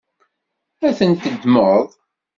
Ad ten-teddmeḍ?